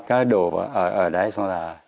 cái đồ ở đấy xong là